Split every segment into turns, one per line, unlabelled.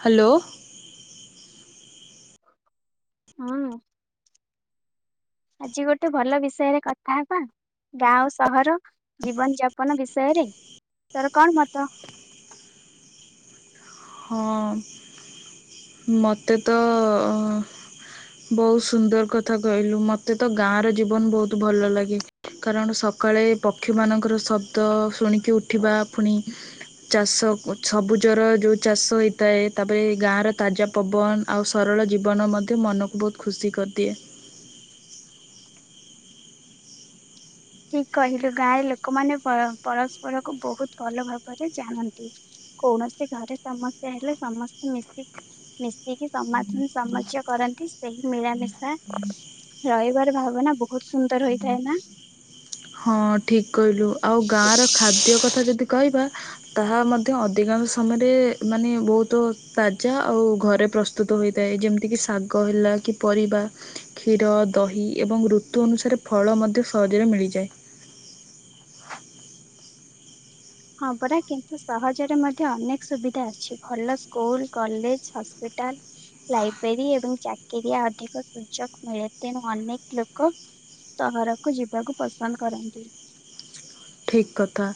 [inaudible] Hello. [inaudible]
ହଁ। ଆଜି ଗୋଟେ ଭଲ ବିଷୟରେ କଥା ହବା ଗାଁ ଆଉ ସହର ଜୀବନ ଯାପନ ବିଷୟରେ। ତୋର କଣ ମତ?
ହଁ ମୋତେ ତ ଅ ବହୁତ ସୁନ୍ଦର କଥା କହିଲୁ ମୋତେ ତ ଗାଁର ଜୀବନ ବହୁତ ଭଲ ଲାଗେ କାରଣ ସକାଳେ ପକ୍ଷୀମାନଙ୍କର ଶବ୍ଦ ଶୁଣିକି ଉଠିବା ଫୁଣି ଚାଷ ସବୁଜର ଯୋଉ ଚାଷ ହୋଇଥାଏ ତାପରେ ଗାଁର ତାଜା ପବନ ଆଉ ସରଳ ଜୀବନ ମଧ୍ୟ ମନକୁ ବହୁତ ଖୁସି କରିଦିଏ।
ଠିକ କହିଲୁ ଗାଁରେ ଲୋକମାନେ ପ ପରସ୍ପର କୁ ବହୁତ ଭଲ ଭାବରେ ଜାଣନ୍ତି କୌଣସି ଘରେ ସମସ୍ୟା ହେଲେ ସମସ୍ତେ ମିଶି ମିଶିକି ସମାଧାନ ସମସ୍ୟା କରନ୍ତି ସେଇ ମିଳାମିଶା ରହିବାର ଭାବନା ବହୁତ ସୁନ୍ଦର ହୋଇଥାଏ ନା।
ହଁ ଠିକ କହିଲୁ ଆଉ ଗାଁ ର ଖାଦ୍ୟ କଥା ଯଦି କହିବା ତାହା ମଧ୍ୟ ଅଧିକାଂଶ ସମୟରେ ମାନେ ବହୁତ ତାଜା ଆଉ ଘରେ ପ୍ରସ୍ତୁତ ହୋଇଥାଏ ଯେମିତିକି ଶାଗ ହେଲା କି ପରିବା କ୍ଷୀର ଦହି ଏବଂ ଋତୁ ଅନୁସାରେ ଫଳ ମଧ୍ୟ ସହଜରେ ମିଳିଯାଏ। [inaudible]
ହଁ ପରା କିନ୍ତୁ ସହଜରେ ମଧ୍ୟ ଅନେକ ସୁବିଧା ଅଛି ଭଲ ସ୍କୁଲ କଲେଜ ହସ୍ପିଟାଲ ଲାଇବ୍ରେରୀ ଏବଂ ଚାକିରିଆ ଅଧିକ ସୁଯୋଗ ମିଳେ ତେଣୁ ଅନେକ ଲୋକ ସହରକୁ ଯିବାକୁ ପସନ୍ଦ କରନ୍ତି।
ଠିକ କଥା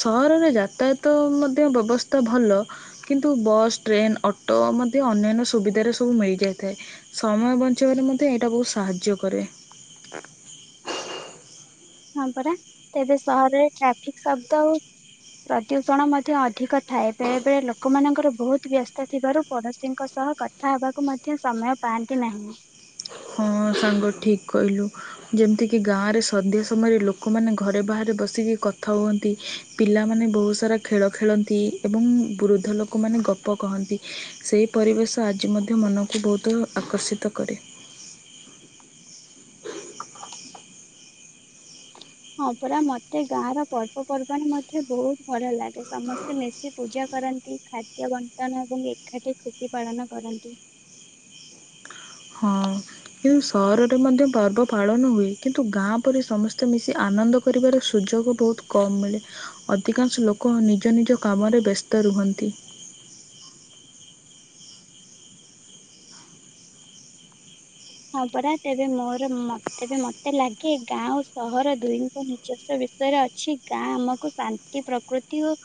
ସହରରେ ଯାତାୟତ ମଧ୍ୟ ବ୍ୟବସ୍ଥା ଭଲ କିନ୍ତୁ ବସ୍ ଟ୍ରେନ୍ ଅଟୋ ମଧ୍ୟ ଅନ୍ୟାନ୍ୟ ସୁବିଧାରେ ସବୁ ମିଳିଯାଇଥାଏ। ସମୟ ବଞ୍ଚାଇବାରେ ମଧ୍ୟ ଏଇଟା ବହୁତ ସାହାଯ୍ୟ କରେ
ହଁ ପରା ତେବେ ସହରରେ ଟ୍ରାଫିକ ଶବ୍ଦ ଓ ପ୍ରଦୂଷଣ ମଧ୍ୟ ଅଧିକ ଥାଏ ବେଳେ ବେଳେ ଲୋକମାନଙ୍କର ବହୁତ ବ୍ୟସ୍ତ ଥିବାରୁ ପଡୋଶୀଙ୍କ ସହ କଥା ହବାକୁ ମଧ୍ୟ ସମୟ ପାଆନ୍ତି ନାହିଁ।
ହଁ ସାଙ୍ଗ ଠିକ୍ କହିଲୁ ଯେମିତିକି ଗାଁରେ ସନ୍ଧ୍ୟା ସମୟରେ ଲୋକମାନେ ଘରେ ବାହାରେ ବସିକି କଥା ହୁଅନ୍ତି ପିଲାମାନେ ବହୁତ ସାରା ଖେଳ ଖେଳନ୍ତି ଏବଂ ବୃଦ୍ଧ ଲୋକମାନେ ଗପ କହନ୍ତି ସେହି ପରିବେଶ ଆଜି ମଧ୍ୟ ମନକୁ ବହୁତ ଆକର୍ଷିତ କରେ।
ହଁ ପରା ମତେ ଗାଁ ର ପର୍ବପର୍ବାଣି ମଧ୍ୟ ବହୁତ ବଢିଆ ଲାଗେ। ସମସ୍ତେ ମିଶି ପୂଜା କରନ୍ତି। ଖାଦ୍ୟ ବଣ୍ଟନ ଏବଂ ଏକାଠି ଖୁସି ପାଳନ କରନ୍ତି।
ହଁ କିନ୍ତୁ ସହରରେ ମଧ୍ୟ ପର୍ବ ପାଳନ ହୁଏ। କିନ୍ତୁ ଗାଁ ପରି ସମସ୍ତେ ମିଶି ଆନନ୍ଦ କରିବାର ସୁଯୋଗ ବହୁତ କମ୍ ମିଳେ। ଅଧିକାଂଶ ଲୋକ ନିଜ ନିଜ କାମରେ ବ୍ୟସ୍ତ ରୁହନ୍ତି।
ହଁ ପରା ତେବେ ମୋର ମତ ତେବେ ମତେ ଲାଗେ ଗାଁ ଓ ସହର ଦୁଇଙ୍କ ନିଜସ୍ୱ ବିଷୟରେ ଅଛି। ଗାଁ ଆମକୁ ଶାନ୍ତି ପ୍ରକୃତି ଓ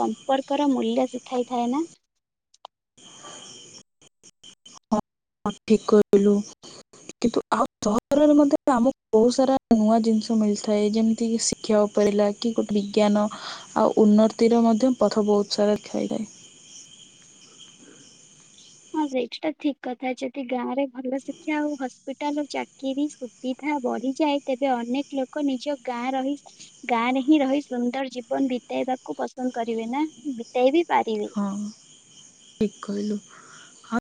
ସମ୍ପର୍କର ମୂଲ୍ୟ ଶିଖାଇଥାଏ ନା।
ହଁ ଠିକ କହିଲୁ କିନ୍ତୁ ଆଉ ସହରରେ ମଧ୍ୟ ଆମକୁ ବହୁତ ସାରା ନୂଆ ଜିନିଷ ମିଳିଥାଏ। ଯେମିତିକି ଶିକ୍ଷା ଉପରେ ହେଲା କି ଗୋଟେ ବିଜ୍ଞାନ ଆଉ ଉନ୍ନତିର ମଧ୍ୟ। ପଥ ବହୁତ ସାରା ଖାଇ ଥାଏ। [inaudible]
ହଁ [unintelligible] ଟା ଠିକ କଥା ଯଦି ଗାଁ ରେ ଭଲ ଶିକ୍ଷା ଆଉ ହସ୍ପିଟାଲର ଚାକିରି ସୁବିଧା ବଢିଯାଏ ତେବେ ଅନେକ ଲୋକ ନିଜ ଗାଁ ରହି ଗାଁରେ ହିଁ ରହି ସୁନ୍ଦର ଜୀବନ ବିତେଇବାକୁ ପସନ୍ଦ କରିବେ ନା ବିତେଇବି।
ହଁ ଠିକ୍ କହିଲୁ। ହ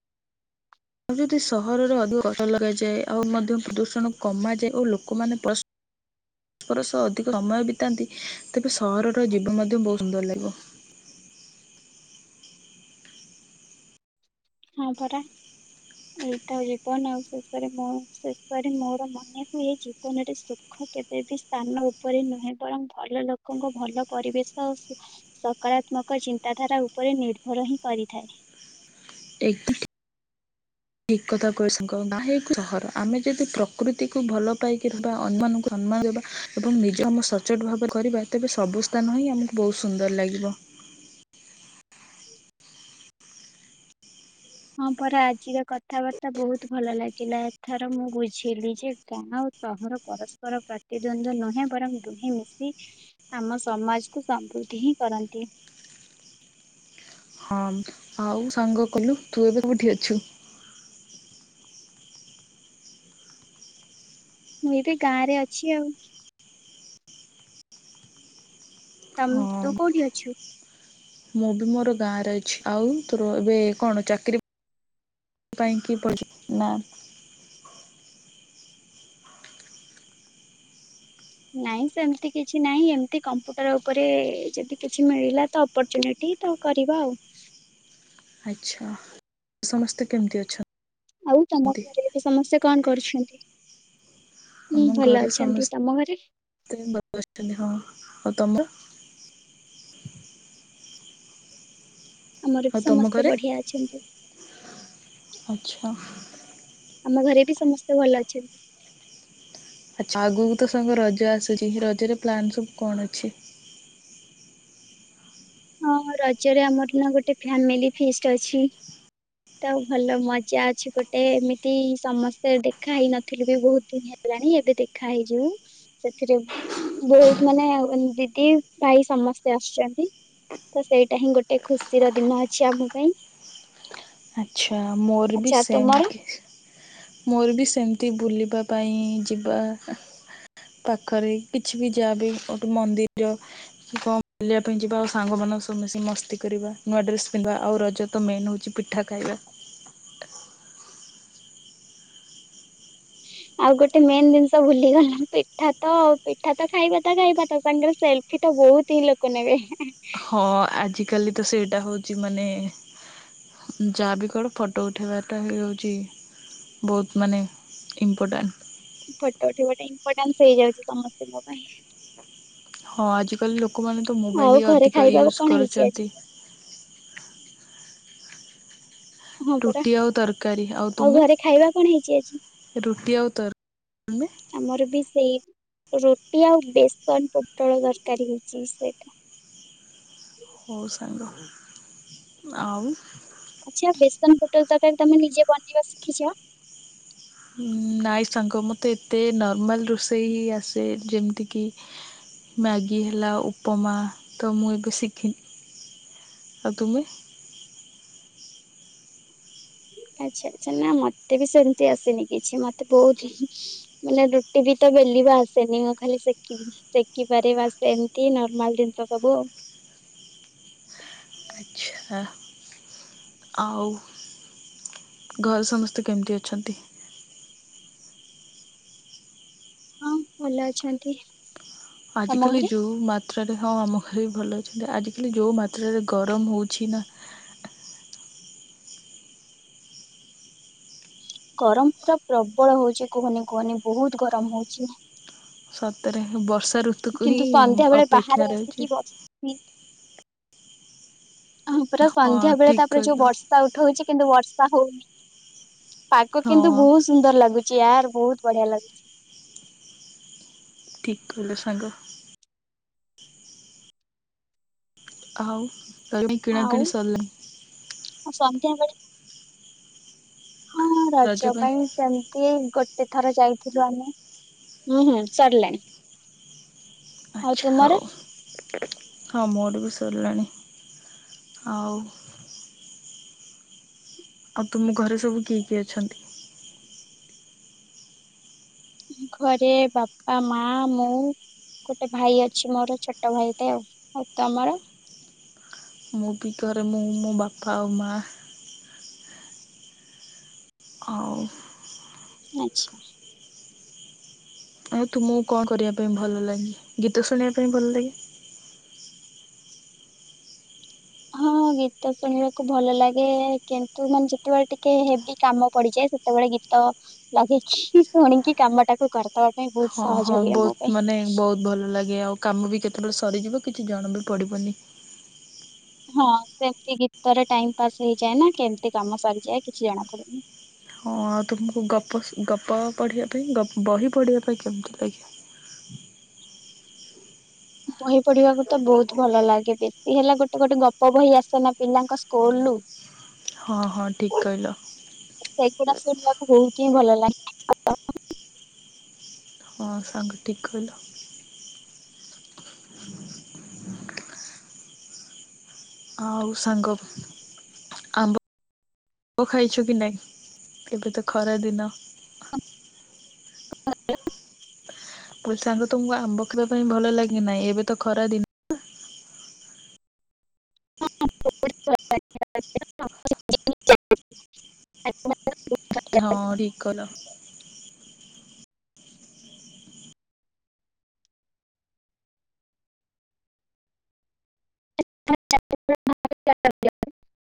[unintelligible] ସହରରେ ଅଧିକ ଅଟ ଲଗାଯାଇଛି। ଏ ଆଉ ମଧ୍ୟ ପ୍ରଦୂଷଣ କମା ଯାଏ ଓ ଲୋକମାନେ ଫାଷ୍ଟ [inaudible] ପରସ୍ପର ସହ ଅଧିକ ସମୟ ବିତାନ୍ତି। କିନ୍ତୁ ସହର ଯିବ ମଧ୍ୟ ବୋହୁତ ସୁନ୍ଦର ଲାଗିବ।
ହଁ ପରା ଏଇ ତ ଜୀବନ ଆଉ। ଶେଷରେ ମୁଁ ଶେଷରେ ମୋର ମନେ ହୁଏ ଜୀବନରେ ସୁଖ କେବେ ବି ସ୍ଥାନ ଉପରେ ନୁହେଁ ବରଂ ଭଲ ଲୋକଙ୍କୁ ଭଲ ପରିବେଶ ଆ ସକାରାତ୍ମକ ଚିନ୍ତାଧାରା ଉପରେ ନିର୍ଭର ହିଁ କରିଥାଏ।
ଏ ଠିକ କଥା କ ସହର ଆମେ ଯଦି ପ୍ରକୃତିକୁ ଭଲ ପାଇକି ରିବା ଅନ୍ୟମାନଙ୍କୁ ସମ୍ମାନ ଦେବା ଏବଂ ନିଜ ଆମେ ସଚୋଟ ଭାବରେ କରିବା ତେବେ ସବୁ ସ୍ଥାନ ହିଁ ଆମକୁ ବହୁତ ସୁନ୍ଦର ଲାଗିବ।
ହଁ ପରେ ଆଜିର କଥାବାର୍ତ୍ତା ବହୁତ ଭଲ ଲାଗିଲା। ଏଥର ମୁଁ ବୁଝିଲି ଯେ ଗାଁ ଓ ସହର ପରସ୍ପର ପ୍ରତିଦ୍ୱନ୍ଦ ନୁହେଁ ବରଂ ଦୁହେଁ ମିଶି ଆମ ସମାଜକୁ ସମୃଦ୍ଧି ହିଁ କରନ୍ତି।
ହଁ ଆଉ ସାଙ୍ଗ କହିଲୁ ତୁ ଏବେ କୋଉଠି ଅଛୁ?
ମୁଁ ଏବେ ଗାଁ ରେ ଅଛି ଆଉ। ତମ
ହଁ
ତୁ କୋଉଠି ଅଛୁ?
ମୁଁ ବି ମୋର ଗାଁରେ ଅଛି। ଆଉ ତୋର ଏବେ କଣ ଚାକିର ପାଇଁ କି ନା?
ନାଇଁ ସେମତି କିଛି ନାହିଁ ଏମିତି କମ୍ପୁଟର ଉପରେ ଯଦି କିଛି ମିଳିଲା ତ ଅପରଚୁନିଟି ତ କରିବା ଆଉ।
ଆଚ୍ଛା ସମସ୍ତେ କେମିତି ଅଛ
ଆଉ ତମ ଘରେ ଏବେ ସମସ୍ତେ କଣ କରୁଛନ୍ତି? ହୁଁ
ଆମ
ଭଲ
ଘରେ
ଅଛନ୍ତି ତମ ଘରେ
ସମସ୍ତ ଭଲ ଅଛନ୍ତି। ହଁ, ଆଉ ତମର?
ଆମର ବି
ଆଉ ତମ
ସମସ୍ତେ
ଘରେ?
ବଢିଆ ଅଛନ୍ତି।
ଆଛା।
ଆମ ଘରେ ବି ସମସ୍ତେ ଭଲ ଅଛନ୍ତି।
ଆଛା ଆଗକୁ ତ ସାଙ୍ଗ ରଜ ଆସୁଛି ରଜରେ ପ୍ଲାନ୍ ସବୁ କଣ ଅଛି?
ହଁ ରଜରେ ଆମର ନା ଗୋଟେ ଫ୍ୟାମିଲି ଫିଷ୍ଟ ଅଛି। ତାଉ ଭଲ ମଜା ଅଛି ଗୋଟେ ଏମିତି ସମସ୍ତେ ଦେଖା ହେଇ ନଥିଲେ ବି ବହୁତ ଦିନ ହେଲାଣି ଏବେ ଦେଖା ହେଇଯିବୁ। ସେଥିରେ ବହୁତ ମାନେ ଦିଦି ଭାଇ ସମସ୍ତେ ଆସୁଛନ୍ତି। ତ ସେଇଟା ହିଁ ଗୋଟେ ଖୁସି ର ଦିନ ଅଛି ଆମ ପାଇଁ।
ଆଛା ମୋର ବି
ଆଚ୍ଛା
ସେମ
ତୁମର?
ମୋର ବି ସେମିତି ବୁଲିବା ପାଇଁ ଯିବା ପାଖରେ କିଛି ବି ଯାହା ବି ଗୋଠୁ ମନ୍ଦିର କଣ ବୁଲିବା ପାଇଁ ଯିବା ଆଉ ସାଙ୍ଗମାନ ସବୁ ମିଶି ମସ୍ତି କରିବା ନୂଆ ଡ୍ରେସ୍ ପିନ୍ଧିବା ଆଉ ରଜ ତ ମେନ୍ ହେଉଛି ପିଠା ଖାଇବା।
ଆଉ ଗୋଟେ ମେନ୍ ଜିନିଷ ଭୁଲିଗଲୁ ପିଠା ତ ପିଠା ତ ଖାଇବା ତା ଖାଇବା ତା ସାଙ୍ଗରେ ସେଲଫି ତ ବହୁତ ହିଁ ଲୋକ ନେବେ।
ହଁ ଆଜିକାଲି ତ ସେଇଟା ହେଉଛି ମାନେ ଯାହାବି କର ଫଟୋ ଉଠେଇବାଟା ବି ହେଉଛି ବହୁତ ମାନେ ଇମ୍ପୋର୍ଟାଣ୍ଟ।
ଫଟ ଉଠି ଗୋଟେ ଇମ୍ପଟାନ୍ସ ହେଇଯାଉଛି ସମସ୍ତଙ୍କ ପାଇଁ।
ହଁ ଆଜି କାଲି ଲୋ ଲୋକମାନେ ତ ମୋବାଇଲ୍
ଆଉ
ହିଁ
ଘରେ
ଅଧିକ
ଖାଇବାକୁ
ୟୁଜ୍
କଣ ହେଇଛି ଆଜି?
କରୁଛନ୍ତି।
ହଁ ପରା।
ରୁଟି ଆଉ ତରକାରୀ ଆଉ ତୁମେ?
ଘରେ ଖାଇବା କଣ ହେଇଛି ଆଜି?
ରୁଟି ଆଉ ତରକାର
ଆମର ବି ସେଇ ରୁଟି ଆଉ ବେସନ ପୋଟଳ ତରକାରି ହେଇଛି ସେଟା।
ହଉ ସାଙ୍ଗ। ଆଉ
ଆଚ୍ଛା ବେସନ ପୋଟଳ ତରକାରି ତମେ ନିଜେ ବନେଇବା ଶିଖିଛ?
ନାଇଁ ସାଙ୍ଗ ମୋତେ ଏତେ ନର୍ମାଲ ରୋଷେଇ ଆସେ ଯେମିତିକି ମ୍ୟାଗି ହେଲା ଉପମା ତ ମୁଁ ଏବେ ଶିଖିନି। ଆଉ ତୁମେ?
ଆଚ୍ଛା ଆଚ୍ଛା ନା ମତେ ବି ସେମତି ଆସେନି କିଛି। ମତେ ବହୁ ମାନେ ରୁଟି ବି ତ ବେଲିବା ଆସେନି। ମୁଁ ଖାଲି ସେଖିପାରେ ବା ସେମତି ନର୍ମାଲ ଦିନ ତ ସବୁ ଆଉ।
ଆଚ୍ଛା ଆଉ ଘରେ ସମସ୍ତେ କେମିତି ଅଛନ୍ତି?
ହଁ ଭଲ ଅଛନ୍ତି। ତମ
ଆଜିକାଲି
ଘରେ?
ଯୋଉ ମାତ୍ରାରେ ହଁ ବି ଭଲ ଅଛନ୍ତି ଆଜିକାଲି ଯେଉଁ ମାତ୍ରାରେ ଗରମ ହେଉଛି ନା
ଗରମ ପୁରା ପ୍ରବଳ ହଉଛି କୁହନି କୁହନି ବହୁତ ଗରମ ହଉଚି।
ସତରେ ବର୍ଷ
କିନ୍ତୁ ସନ୍ଧ୍ୟା ବେଳେ ବାହାରେ ଆସିକି ବସିକି ହଁ ପରା
ହଁ
ସନ୍ଧ୍ୟା ବେଳେ
ଠିକ୍
ତାପରେ ଯୋଉ
କହିଲ
ବର୍ଷା ଉଠଉଛି କିନ୍ତୁ ବର୍ଷା ହୋଉନି ପାଗ କିନ୍ତୁ
ହଁ
ବହୁତ ସୁନ୍ଦର ଲାଗୁଛି। ଚେୟାର ବହୁତ ବଢିଆ ଲାଗୁଛି।
ଠିକି କହିଲୁ ସାଙ୍ଗ। ଆଉ [inaudible] କିଣା କିଣି ସରିଲା
ସନ୍ଦ୍ୟା ବେଳେ ହଁ ରଜ ପାଇଁ ସେମିତି ଗ ତେଥର ଯାଇଥିଲୁ ଆମେ ହୁଁ ହୁଁ ସରିଲାଣି। ଆଉ ତୁମର?
ହୋଉ। ହଁ ମୋରବି ସରିଲାଣି ଆଉ ଆଉ ତୁମ ଘରେ ସବୁ କି କିଏ କିଏଅଛନ୍ତି?
ଘରେ ବାପା ମା ମୁଁ ଗୋଟେ ଭାଇ ଅଛି ମୋର ଛୋଟ ଭାଇଟେ ଆଉ ତମର
ମୁଁ ବି ଘରେ ମୁଁ ମୋ ବାପା ଆଉ ମା ହଉ।
ଆଛା
ଆଉ ତୁମକୁ କଣ କରିବା ପାଇଁ ଭଲ ଲାଗେ ଗୀତ ଶୁଣିବା ପାଇଁ ଭଲ ଲାଗେ
ହଁ ଗୀତ ଶୁଣିବାକୁ ଭଲ ଲାଗେ କିନ୍ତୁ ମାନେ ଯେତେବେଳେ ଟିକେ ହେବି କାମ ପଡିଯାଏ ସେତେବେଳେ ଗୀତ ଲଗେଇକି ଶୁଣିକି କାମ ଟାକୁ କରେ
ହଁ ହଁ ବହୁତ ମାନେ ବହୁତ ଭଲ ଲାଗେ ଆଉ କାମ ବି କେତେବେଳେ ସରିଯିବ କିଛି ଜଣା ବି ପଡ଼ିବନି।
ହଁ ସେମତି ଗୀତରେ ଟାଇମ ପାସ୍ ହେଇଯାଏ ନାଁ କେମତି କାମ ସରିଯାଏ କିଛି ଜଣା ପଡନି।
ହଁ ଆଉ ତୁମକୁ ଗପ ଗପ ପଢ଼ିବା ପାଇଁ ବହି ପଢ଼ିବା ପାଇଁ କେମିତି ଲାଗେ?
ବହି ପଢିବାକୁ ତ ବହୁତ ଭଲ ଲାଗେ ବେଶୀ ହେଲା ଗୋଟେ ଗୋଟେ ଗପ ବହି ଆସେନା ପିଲାଙ୍କ ସ୍କୁଲରୁୁ
ହଁ ହଁ ଠିକ୍ କହିଲ
[unintelligible] ସେଗୁଡା ଶୁଣିବାକୁ ବହୁତ ହିଁ ଭଲ ଲାଗେ। [unintelligible]
ହଁ ସାଙ୍ଗ ଠିକି କହିଲ। [inaudible] ଆଉ ସାଙ୍ଗ ଆମ୍ବ ଆମ୍ବ ଖାଇଛ କି ନାଇଁ ଏବେ ତ ଖରା ଦିନ
[inaudible]
[inaudible] ସାଙ୍ଗ ତୁମକୁ ଆମ୍ବ ଖାଇବାକୁ ଭଲ ଲଗେକି ନାଁ ନାହିଁ ଏଵେ ତ ଖରା ଦିନ ନାଁ
ହଁ [inaudible]
ହଁ ଠିକି। [unintelligible]
[unintelligible]